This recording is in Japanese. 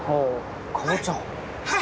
はい。